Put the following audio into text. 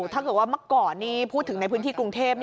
ถ้าเกิดว่าเมื่อก่อนนี้พูดถึงในพื้นที่กรุงเทพ